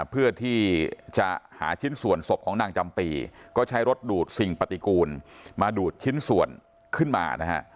เพื่อที่จะหาชิ้นส่วนศพของนางจำปีก็ใช้รถดูดสิ่งปฏิกูลมาดูดชิ้นส่วนขึ้นมานะฮะ